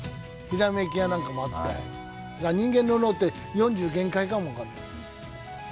ひらめきやなんかもあって、人間の脳って４０が限界かも分かんない。